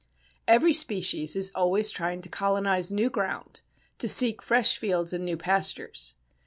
Every species is always trying to colonize new ground, to seek fresh fields and new pastures.